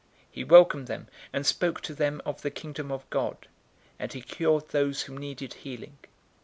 He welcomed them, and spoke to them of the Kingdom of God, and he cured those who needed healing.